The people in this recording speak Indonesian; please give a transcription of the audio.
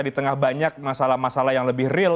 di tengah banyak masalah masalah yang lebih real